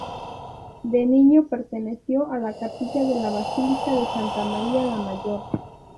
De niño perteneció a la capilla de la Basílica de Santa María la Mayor.